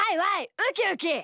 ウキウキ！